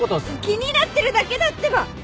気になってるだけだってば！